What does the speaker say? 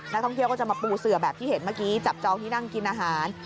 นักท่องเที่ยวก็จะมาปูเสือแบบที่เห็นเมื่อกี้จับจองที่นั่งกินอาหาร